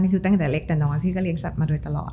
เม้คือเต้นากดแก่เล็กแต่น้อยพี่ก็เลี้ยงสัตว์มาด้วยตลอด